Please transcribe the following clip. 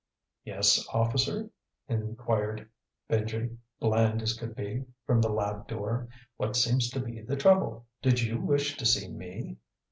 "Yes, officer?" inquired Benji, bland as could be, from the lab door. "What seems to be the trouble? Did you wish to see me?"